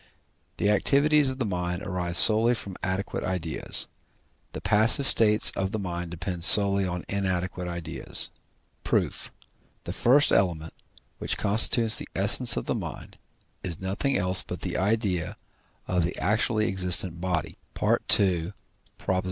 The activities of the mind arise solely from adequate ideas; the passive states of the mind depend solely on inadequate ideas. Proof. The first element, which constitutes the essence of the mind, is nothing else but the idea of the actually existent body (II.